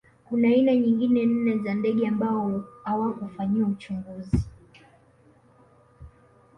Kuna aina nyingine nne za ndege ambao hawakufanyiwa uchunguzi